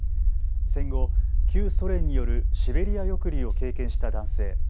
戦後、旧ソ連によるシベリア抑留を経験した男性。